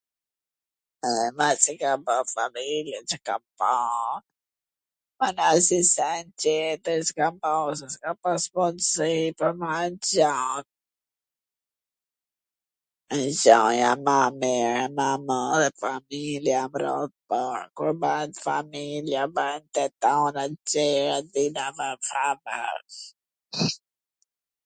masi ka ba familje qw ka ba... ene asnji sen tjetwr s ka ma, se s ka pas mundsi me ba ... gjaja ma mir, ma e madhe familja n radh t par. Kur bahet familja bahen tw tana gjerat...